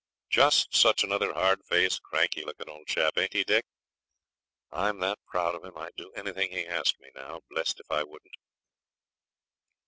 Just such another hard faced, cranky looking old chap, ain't he, Dick? I'm that proud of him I'd do anything he asked me now, blest if I wouldn't!'